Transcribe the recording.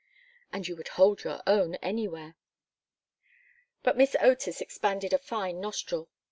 And you would hold your own anywhere!" But Miss Otis expanded a fine nostril.